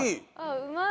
うまい！